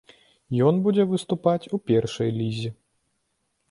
Ён будзе выступаць у першай лізе.